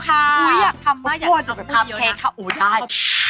ขอบคุณครับแค่เข้าอุ่นได้